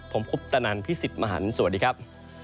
ผมคุปตนันพี่สิทธิ์มหันฯสวัสดีครับ